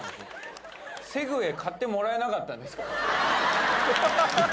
セグウェイ買ってもらえなかったんですか？